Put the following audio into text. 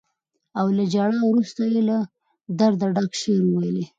او له ژړا وروسته یې له درده ډک شعر وويلې.